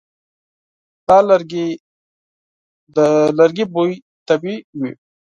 د لرګي بوی طبیعي وي.